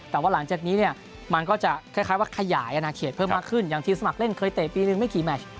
แต่ว่าหลังจากนี้เนี่ยมันก็จะคล้ายว่าขยายอนาเขตเพิ่มมากขึ้นอย่างทีมสมัครเล่นเคยเตะปีหนึ่งไม่กี่แมช